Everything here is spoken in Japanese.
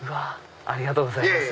ありがとうございます。